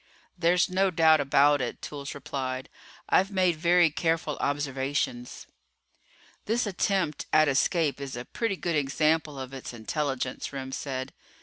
"There's no doubt about it," Toolls replied. "I've made very careful observations." "This attempt at escape is a pretty good example of its intelligence," Remm said.